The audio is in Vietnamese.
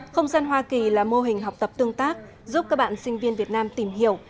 không gian hoa kỳ là mô hình học tập tương tác giúp các bạn sinh viên việt nam tìm hiểu